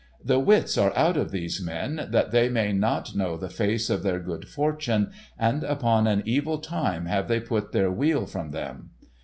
The wits are out of these men that they may not know the face of their good fortune, and upon an evil time have they put their weal from them.